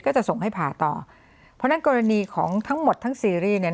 จะส่งให้ผ่าต่อเพราะฉะนั้นกรณีของทั้งหมดทั้งซีรีส์เนี่ย